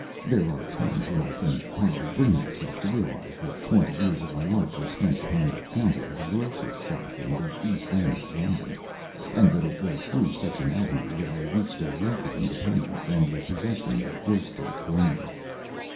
There are times when I can hardly bring myself to realize that twenty years of my life were spent behind the counter of a grocer's shop in the East End of London, and that it was through such an avenue that I reached a wealthy independence and the possession of Goresthorpe Grange.